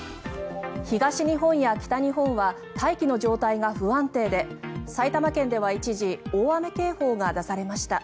東日本や北日本は大気の状態が不安定で埼玉県では一時、大雨警報が出されました。